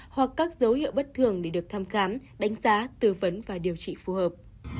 hoặc các dấu hiệu bất thường để được thăm khám đánh giá tư vấn và điều trị phù hợp